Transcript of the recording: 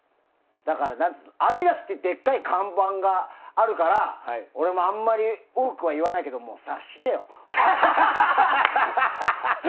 アディダスっていうでかい看板があるから俺あんまり多くは言わないけども察してよ。